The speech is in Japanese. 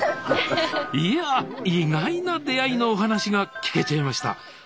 いや意外な出会いのお話が聞けちゃいました。